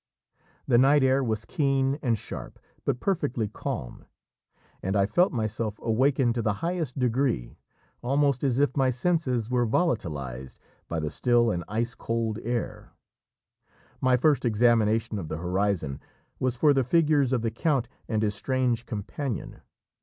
The night air was keen and sharp, but perfectly calm, and I felt myself awakened to the highest degree, almost as if my senses were volatilised by the still and ice cold air. My first examination of the horizon was for the figures of the count and his strange companion.